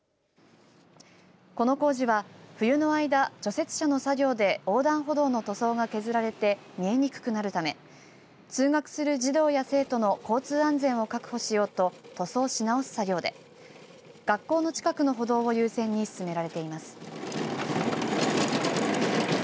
この工事は冬の間除雪車の作業で横断歩道の塗装が削られて見えにくくなるため通学する児童や生徒の交通安全を確保しようと塗装し直す作業で学校の近くの歩道を優先に進められています。